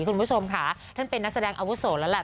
คุณผู้ชมค่ะท่านเป็นนักแสดงอาวุโสแล้วแหละ